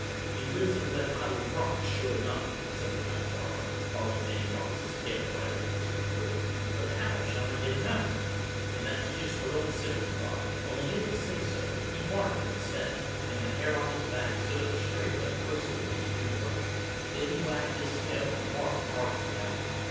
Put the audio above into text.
"He lives under that pile of rocks, sure enough," said the Kind Farmer, following Danny Fox's trail right up to his front door. "But how shall I get him out?" And that's just what old Sic'em thought, only he didn't say so. He barked instead, and the hair on his back stood out straight like bristles on my tooth brush. Then he wagged his tail and barked harder than ever.